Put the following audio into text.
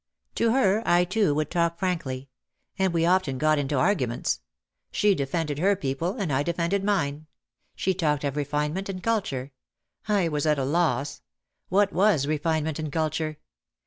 To her, I, too, would talk frankly. And we often got into arguments. She defended her people and I defended mine. She talked of refinement and culture. I was at a loss. What was refinement and culture?